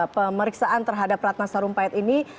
pemeriksaan terhadap ratna sarumpait ini